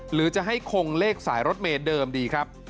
หรือจะให้คงเลขสายรถเมย์เดิมดีครับ